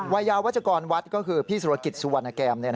วัยยาววาชกรพฤศกรวัดก็คือพี่สุโรคิตของสุวรรณแกรม